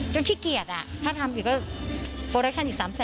ขี้เกียจถ้าทำผิดก็โปรดักชั่นอีก๓๐๐๐